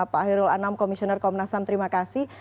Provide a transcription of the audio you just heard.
pak hairul anam komisioner komnas ham terima kasih